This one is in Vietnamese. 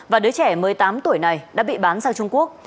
và đứa trẻ một mươi tám tuổi này đã bị bán sang trung quốc